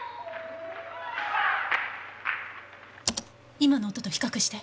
「」「」「」今の音と比較して。